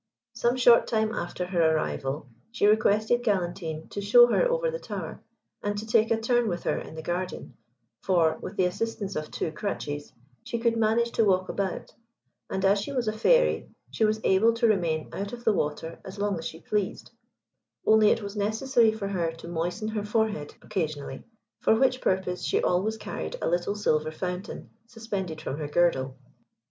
Some short time after her arrival she requested Galantine to show her over the Tower, and to take a turn with her in the garden, for (with the assistance of two crutches) she could manage to walk about, and as she was a Fairy, she was able to remain out of the water as long as she pleased, only it was necessary for her to moisten her forehead occasionally, for which purpose she always carried a little silver fountain suspended from her girdle.